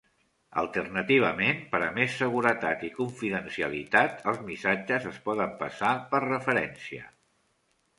Alternativament, per a més seguretat i confidencialitat, els missatges es poden passar "per referència".